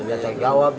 biasa jawab tuh